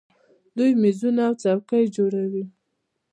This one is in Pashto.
دوی میزونه او څوکۍ جوړوي.